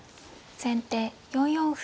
先手４四歩。